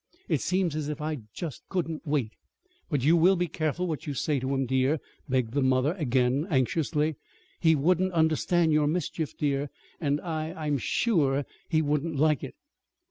It seems as if I just couldn't wait!" "But you will be careful what you say to him, dear," begged the mother again, anxiously. "He wouldn't understand your mischief, dear, and I I'm sure he wouldn't like it."